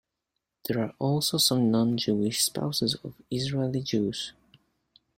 There are also some non-Jewish spouses of Israeli Jews.